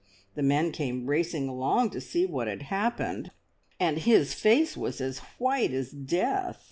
The men came racing along to see what had happened, and his face was as white as death.